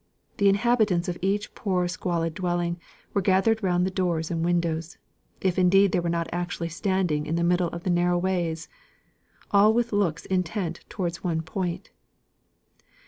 The inhabitants of each poor squalid dwelling were gathered round the doors and windows, if indeed they were not actually standing in the middle of the narrow ways all with looks intent towards one point.